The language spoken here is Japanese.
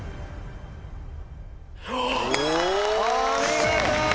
お見事！